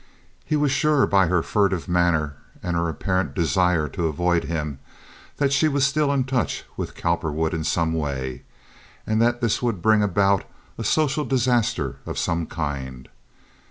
He was sure by her furtive manner and her apparent desire to avoid him, that she was still in touch with Cowperwood in some way, and that this would bring about a social disaster of some kind.